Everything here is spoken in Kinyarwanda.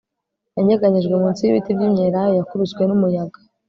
Yanyeganyejwe munsi yibiti byimyelayo yakubiswe numuyaga